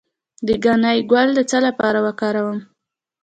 د ګنی ګل د څه لپاره وکاروم؟